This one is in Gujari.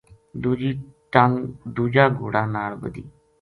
دوجی ٹنگ دوجا گھوڑا ناڑ بَدھی